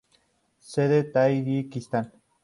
Sede: Tayikistán.